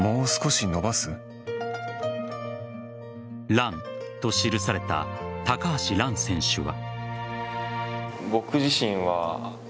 らんと記された高橋藍選手は。